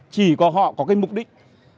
chỉ có họ có cái mục đích